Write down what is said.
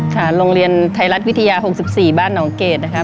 ค่ะโรงเรียนไทยรัฐวิทยา๖๔บ้านหนองเกดนะคะ